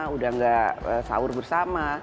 udah enggak sahur bersama